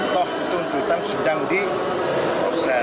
toh tuntutan sedang diusah